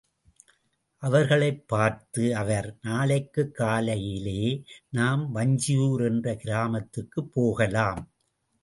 அவர்களைப் பார்த்து அவர், நாளைக்குக் காலையிலே நாம் வஞ்சியூர் என்ற கிராமத்திற்குப் போகலாம்.